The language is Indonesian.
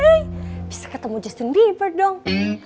eh bisa ketemu justin bieber dong